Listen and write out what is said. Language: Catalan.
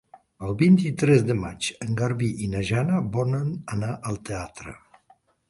El vint-i-tres de maig en Garbí i na Jana volen anar al teatre.